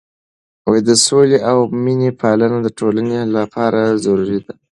د سولې او مینې پالنه د ټولنې لپاره ضروري ده.